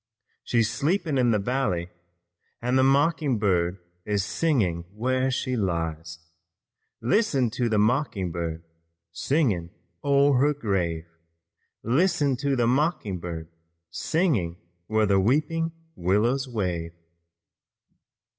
She's sleeping in the valley And the mocking bird is singing where she lies. Listen to the mocking bird, singing o'er her grave. Listen to the mocking bird, singing where the weeping willows wave."